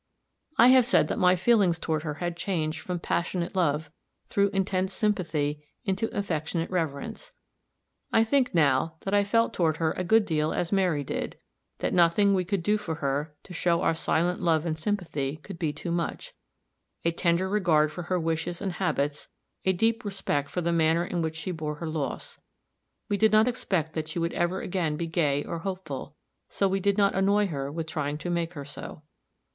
I have said that my feelings toward her had changed from passionate love, through intense sympathy, into affectionate reverence. I think, now, that I felt toward her a good deal as Mary did that nothing we could do for her, to show our silent love and sympathy, could be too much a tender regard for her wishes and habits a deep respect for the manner in which she bore her loss. We did not expect that she would ever again be gay or hopeful; so we did not annoy her with trying to make her so.